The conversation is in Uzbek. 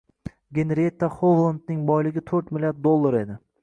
Genrietta Xovlandning boyligi to'rt milliard dollar edi.